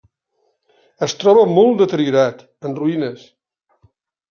Es troba molt deteriorat, en ruïnes.